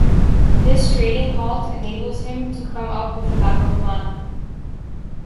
This trading halt enables him to come up with a backup plan.